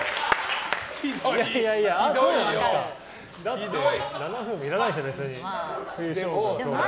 だって７分もいらないでしょ、別に。